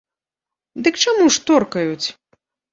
Дык чаму ж торкаюць?